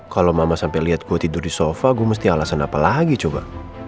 kalau mama sampai lihat gue tidur di sofa gue mesti alasan apa lagi coba